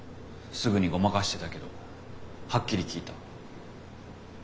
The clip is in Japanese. すぐにごまかしてたけどはっきり聞いた。